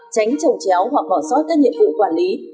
tránh trồng chéo hoặc bỏ sót các nhiệm vụ quản lý